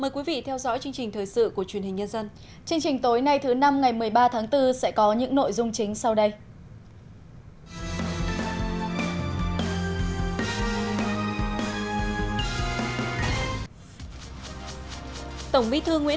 chương trình tối nay thứ năm ngày một mươi ba tháng bốn sẽ có những nội dung chính sau đây